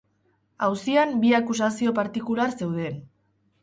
Auzian bi akusazio partikular zeuden.